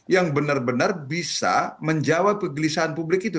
yang benar benar bisa menjawab kegelisahan publik itu